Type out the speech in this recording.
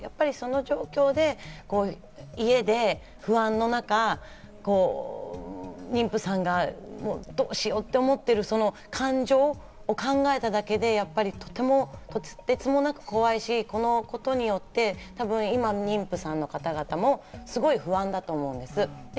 その状況で家で不安の中、妊婦さんがどうしようって思ってるその感情を考えただけでとてつもなく怖いし、このことによって多分、今の妊婦さんの方々もすごい不安だと思うんです。